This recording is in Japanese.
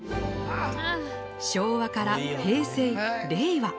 昭和から平成、令和。